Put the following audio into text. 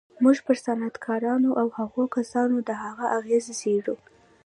موږ پر صنعتکارانو او هغو کسانو د هغه اغېز څېړو